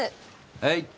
はい。